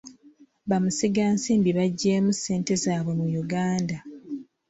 Bamusiga nsimbi baggyeemu ssente zaabwe mu Uganda.